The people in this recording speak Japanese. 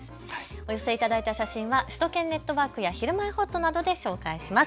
お寄せいただいた写真は首都圏ネットワークやひるまえほっとなどで紹介します。